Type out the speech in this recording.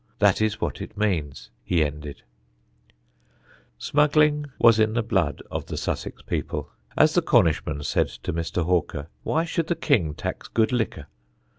That is what it means," he ended. [Sidenote: "THE GENTLEMEN"] Smuggling was in the blood of the Sussex people. As the Cornishman said to Mr. Hawker, "Why should the King tax good liquor?"